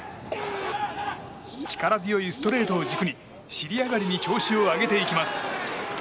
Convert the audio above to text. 力強いストレートを軸に尻上がりに調子を上げていきます。